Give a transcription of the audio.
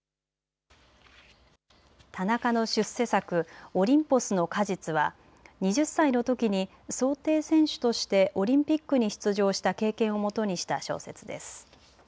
田中の出世作、オリンポスの果実は２０歳のときにそう艇選手としてオリンピックに出場した経験をもとにした小説です。